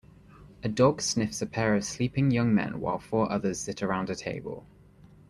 A dog sniffs a pair of sleeping young men while four others sit around a table.